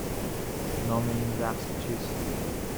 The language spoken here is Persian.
نام این رقص چیست؟